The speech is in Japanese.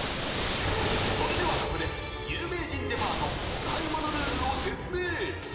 ［それではここで『有名人デパート』お買い物ルールを説明］